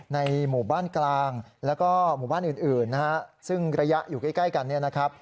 ในหมู่บ้านกลางแล้วก็หมู่บ้านอื่นซึ่งระยะอยู่ใกล้กัน